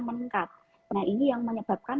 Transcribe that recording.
meningkat nah ini yang menyebabkan